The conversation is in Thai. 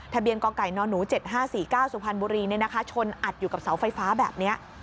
ทะเบียนกองไก่นอนหนู๗๕๔๙สุพรรณบุรีเนี่ยนะคะชนอัดอยู่กับเสาไฟฟ้าแบบเนี้ย